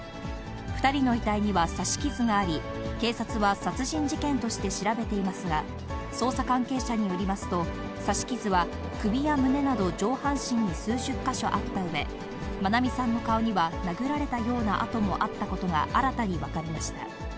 ２人の遺体には刺し傷があり、警察は殺人事件として調べていますが、捜査関係者によりますと、刺し傷は首や胸など上半身に数十か所あったうえ、愛美さんの顔には殴られたような痕もあったことが新たに分かりました。